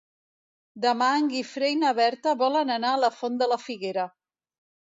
Demà en Guifré i na Berta volen anar a la Font de la Figuera.